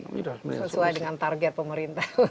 tidak ada yang menanggung dengan target pemerintah